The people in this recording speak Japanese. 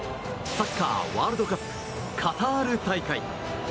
サッカーワールドカップカタール大会。